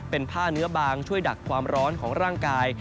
เป็นผ้าเนื้อบางช่วยดักความร้อนของร่างกาย